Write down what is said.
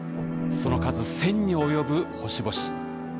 その数１，０００に及ぶ星々。